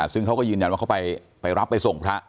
ซึ่งเขาก็ยืนยันว่าเขาไปรับไปส่งพระ